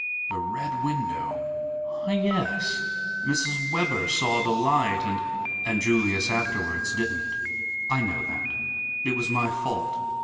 "The Red Window. Ah yes! Mrs. Webber saw the light, and " "And Julius afterwards didn't. I know that. It was my fault.